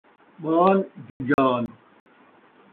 ٻال جنجال